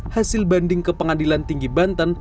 hasil banding ke pengadilan tinggi banten